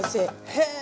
へえ！